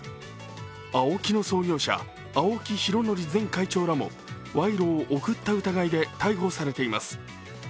ＡＯＫＩの創業者、青木拡憲前会長らも賄賂を贈った疑いで逮捕されています。